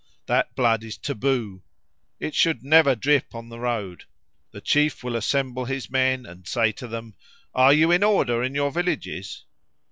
That blood is taboo. It should never drip on the road! The chief will assemble his men and say to them, 'Are you in order in your villages?'